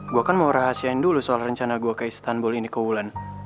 gue kan mau rahasiain dulu soal rencana gue ke istanbul ini ke wulan